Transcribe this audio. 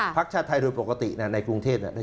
ภาคชาติไทยโดยปกติในกรุงเทพฯได้๗๐๐๐